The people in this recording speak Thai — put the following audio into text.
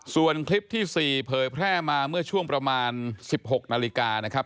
ส่วนคลิปที่๔เผยแพร่มาเมื่อช่วงประมาณ๑๖นาฬิกานะครับ